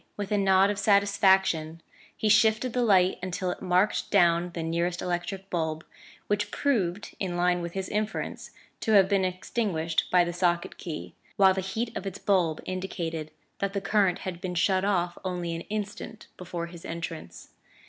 With a nod of satisfaction, he shifted the light until it marked down the nearest electric bulb, which proved, in line with his inference, to have been extinguished by the socket key, while the heat of its bulb indicated that the current had been shut off only an instant before his entrance.